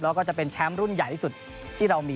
แล้วก็จะเป็นแชมป์รุ่นใหญ่ที่สุดที่เรามี